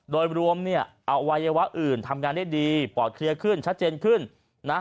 โดยรวมเนี่ยอวัยวะอื่นทำงานได้ดีปอดเคลียร์ขึ้นชัดเจนขึ้นนะ